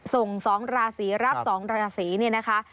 ส่งสองราศรีรับสองราศรีเนี่ยนะคะ